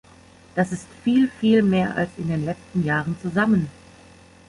Das ist viel, viel mehr als in den letzten Jahren zusammen.